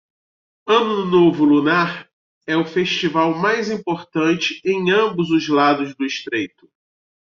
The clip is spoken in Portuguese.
Ano Novo Lunar é o festival mais importante em ambos os lados do estreito